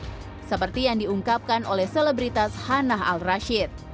kekerasan terhadap perempuan ini tidak hanya diungkapkan oleh selebritas hanah al rashid